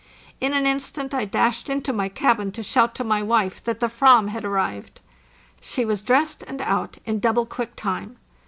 In an instant I dashed into my cabin to shout to my wife that the vam had arrived. She was dressed and out in double quick time.